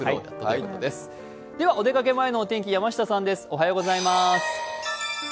では、お出かけ前のお天気、山下さんです。